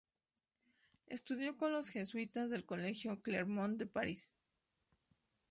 Estudió con los Jesuitas del colegio Clermont de Paris.